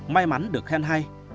may mắn được khen hay